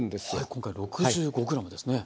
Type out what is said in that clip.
今回６５ｇですね。